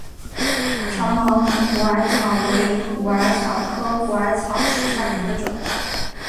长毛梗虎耳草为虎耳草科虎耳草属下的一个种。